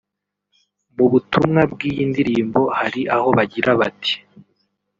Mu butumwa bw’iyi ndirimbo hari aho bagira bati